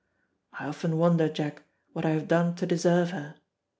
I often wonder, Jack, what I have done to deserve her.